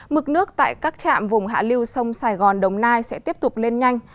mực nước tại các trạm vùng hạ lưu sông sài gòn đồng nai sẽ tiếp tục lên nhanh